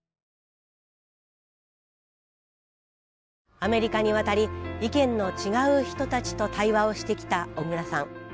アメリカに渡り意見の違う人たちと対話をしてきた小倉さん。